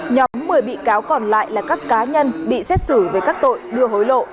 nhóm một mươi bị cáo còn lại là các cá nhân bị xét xử về các tội đưa hối lộ